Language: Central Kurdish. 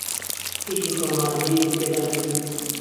هیچ بڕگە و ماددەیەکی تێدا نییە